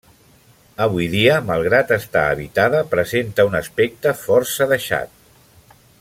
Avui dia, malgrat estar habitada, presenta un aspecte força deixat.